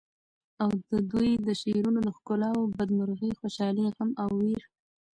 او ددوی د شعرونو د ښکلاوو بد مرغي، خوشالی، غم او وېر